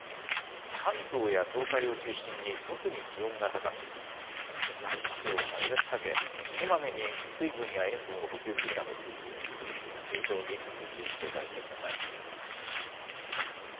関東や東海を中心に特に気温が高く外出をなるべく避けこまめに水分や塩分を補給するなど引き続き熱中症に厳重に警戒してください。